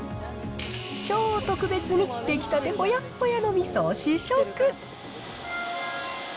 超特別に出来たてほやほやのみそを試食。